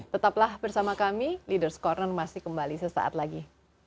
tetaplah bersama kami leaders' corner masih kembali sesaat lagi